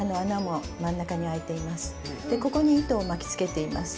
ここに糸を巻きつけています。